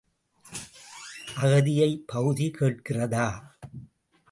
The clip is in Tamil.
அகதியைப் பகுதி கேட்கிறதா?